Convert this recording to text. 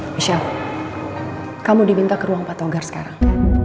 michelle kamu diminta ke ruang patogar sekarang